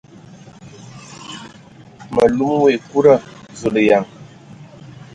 Mə lum wa ekuda ! Zulǝyan!